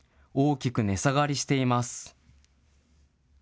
大きく値下がりしています。